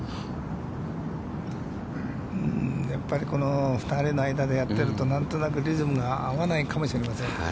やっぱりこの２人の間でやっていると何となくリズムが合わないかもしれません。